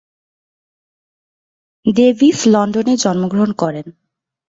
Davies লন্ডনে জন্মগ্রহণ করেন।